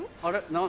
何？